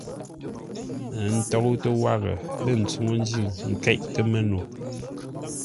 Ə́ tóutə́ wághʼə lə́ ntsúŋú ńjí nkéʼtə́ mə́no.